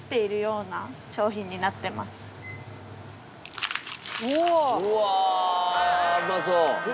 うまそう。